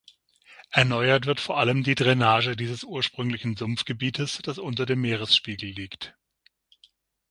Erneuert wird vor allem die Drainage dieses ursprünglichen Sumpfgebietes, das unter dem Meeresspiegel liegt.